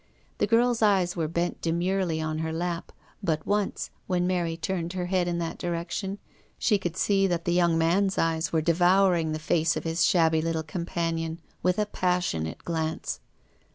The girl's eyes were bent demurely on her lap, but once, when Mary turned her head in their direction, she could see that the young man's eyes were devouring the face of his shabby little companion with a passionate glance.